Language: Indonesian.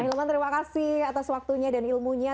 hilman terima kasih atas waktunya dan ilmunya